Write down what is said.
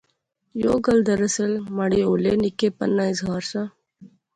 یو گل دراصل مہاڑے ہولے نکے پن نا اظہار سا